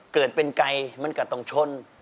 เกิดเป็นไกลมันก็ต้องชน